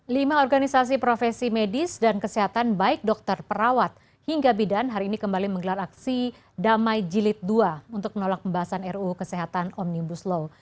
lima organisasi profesi medis dan kesehatan baik dokter perawat hingga bidan hari ini kembali menggelar aksi damai jilid dua untuk menolak pembahasan ruu kesehatan omnibus law